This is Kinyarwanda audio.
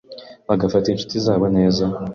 bagafata inshuti zabo neza